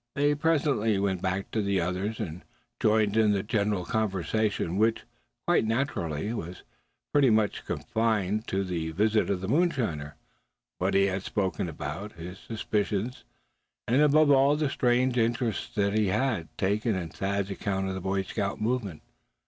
They presently went back to the others, and joined in the general conversation, which, quite naturally enough, was pretty much confined to the visit of the mountaineer, what he had spoken about, his suspicions, and above all the strange interest he had taken in Thad's account of the Boy Scout movement.